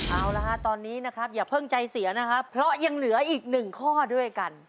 เอาละฮะตอนนี้นะครับอย่าเพิ่งใจเสียนะครับเพราะยังเหลืออีกหนึ่งข้อด้วยกัน